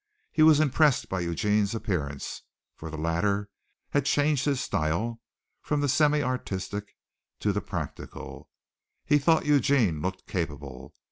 He was impressed by Eugene's appearance, for the latter had changed his style from the semi artistic to the practical. He thought Eugene looked capable.